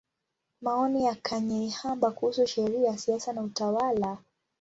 Maoni ya Kanyeihamba kuhusu Sheria, Siasa na Utawala.